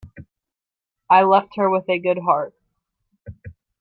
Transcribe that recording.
I left her with a good heart.